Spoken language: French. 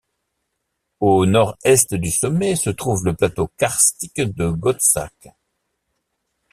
Au nord-est du sommet se trouve le plateau karstique de Gottesack.